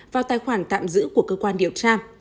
vào tài khoản tạm giữ của cơ quan điều tra